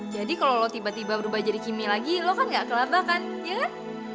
jadi kalau lo tiba tiba berubah jadi kimi lagi lo kan gak kelabah kan ya kan